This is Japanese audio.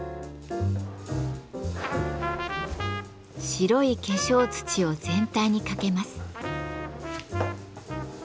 白い化粧土を全体にかけます。